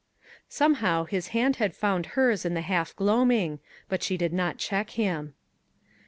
Somehow his hand had found hers in the half gloaming, but she did not check him.